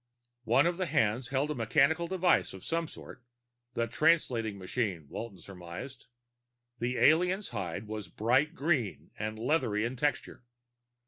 One of the hands held a mechanical device of some sort; the translating machine, Walton surmised. The alien's hide was bright green, and leathery in texture.